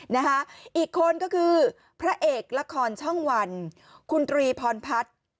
นะคะอีกคนก็คือพระเอกละครช่องวันคุณตรีพรพัฒน์